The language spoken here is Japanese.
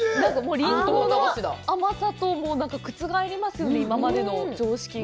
リンゴの甘さ、覆りますよね、今までの常識が。